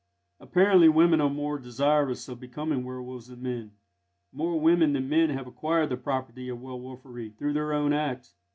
Apparently women are more desirous of becoming werwolves than men, more women than men having acquired the property of werwolfery through their own act.